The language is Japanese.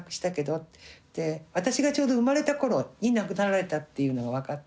私がちょうど生まれた頃に亡くなられたっていうのが分かって。